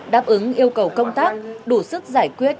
đáp ứng yêu cầu công tác đủ sức giải quyết